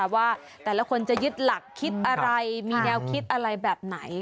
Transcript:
ว่าแต่ละคนจะยึดหลักคิดอะไรมีแนวคิดอะไรแบบไหน